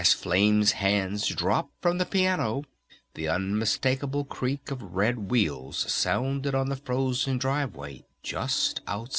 As Flame's hands dropped from the piano the unmistakable creak of red wheels sounded on the frozen driveway just outside.